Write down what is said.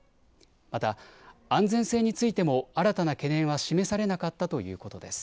また安全性についても新たな懸念は示されなかったということです。